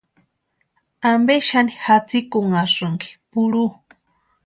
¿Ampe xani jatsikunhasïnki purhu?